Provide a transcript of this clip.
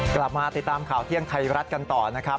กลับมาติดตามข่าวเที่ยงไทยรัฐกันต่อนะครับ